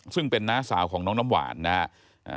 ซึ่งเป็นน้าสาวของน้องน้ำหวานนะครับ